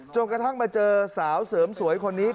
กระทั่งมาเจอสาวเสริมสวยคนนี้